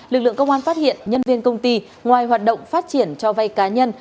lực lượng công an phát hiện nhân viên công ty ngoài hoạt động phát triển cho vay cá nhân